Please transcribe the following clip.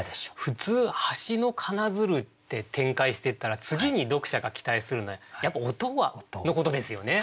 普通「嘴の奏づる」って展開していったら次に読者が期待するのはやっぱ音のことですよね。